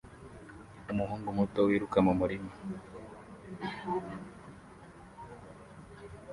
Umuhungu muto wiruka mu murima